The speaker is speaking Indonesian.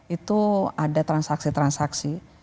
itu ada transaksi transaksi